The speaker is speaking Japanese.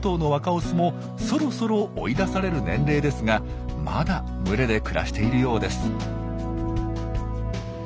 オスもそろそろ追い出される年齢ですがまだ群れで暮らしているようです。